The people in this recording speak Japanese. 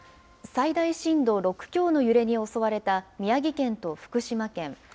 最大震度６強の揺れに襲われた宮城県と福島県。